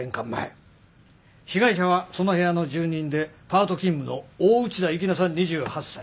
被害者はその部屋の住人でパート勤務の大内田幸那さん２８歳。